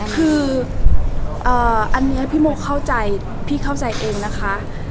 คืออันนี้พี่โมเข้าใจพี่เข้าใจเองนะคะ